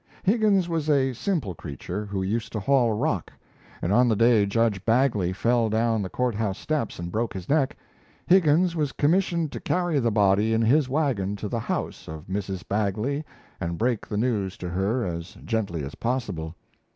Higgins was a simple creature, who used to haul rock; and on the day Judge Bagley fell down the court house steps and broke his neck, Higgins was commissioned to carry the body in his wagon to the house of Mrs. Bagley and break the news to her as gently as possible.